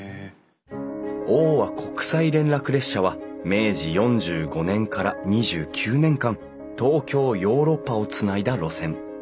欧亜国際連絡列車は明治４５年から２９年間東京ヨーロッパをつないだ路線。